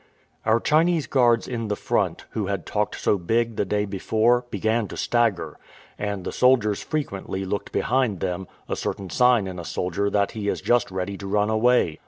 Our Chinese guards in the front, who had talked so big the day before, began to stagger; and the soldiers frequently looked behind them, a certain sign in a soldier that he is just ready to run away.